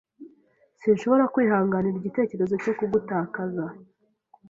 Sinshobora kwihanganira igitekerezo cyo kugutakaza